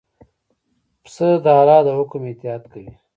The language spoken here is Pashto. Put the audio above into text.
پسه د الله د حکم اطاعت کوي.